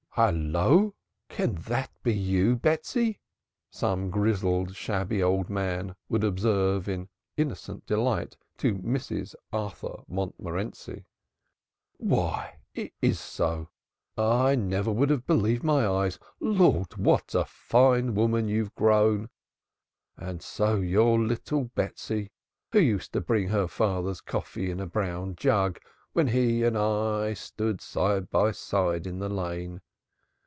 "Hullo! Can that be you, Betsy?" some grizzled shabby old man would observe in innocent delight to Mrs. Arthur Montmorenci; "Why so it is! I never would have believed my eyes! Lord, what a fine woman you've grown! And so you're little Betsy who used to bring her father's coffee in a brown jug when he and I stood side by side in the Lane!